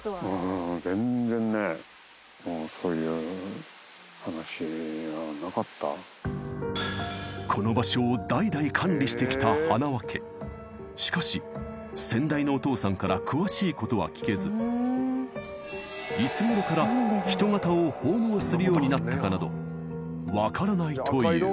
ううん全然ねこの場所を代々管理してきた花輪家しかし先代のお父さんから詳しいことは聞けずいつごろからヒトガタを奉納するようになったかなどわからないという